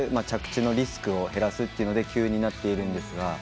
着地のリスクを減らすというので急になっているんですが。